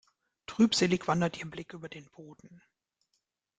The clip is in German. Trübselig wandert ihr Blick über den Boden.